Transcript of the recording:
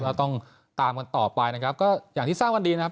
ก็ต้องตามกันต่อไปนะครับก็อย่างที่ทราบกันดีนะครับ